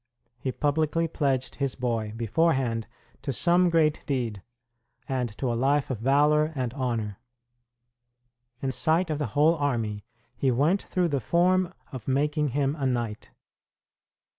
He publicly pledged his boy, beforehand, to some great deed, and to a life of valor and honor. In sight of the whole army, he went through the form of making him a knight.